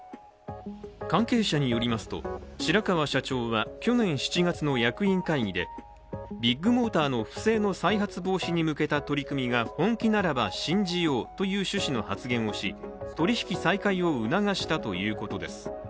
関係者によりますと白川社長は去年７月の役員会議でビッグモーターの不正の再発防止に向けた取り組みが本気ならば信じようという趣旨の発言をし取引再開を促したということです。